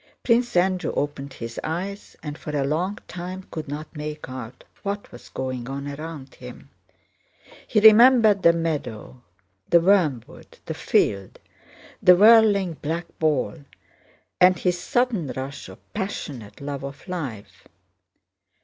Prince Andrew opened his eyes and for a long time could not make out what was going on around him. He remembered the meadow, the wormwood, the field, the whirling black ball, and his sudden rush of passionate love of life.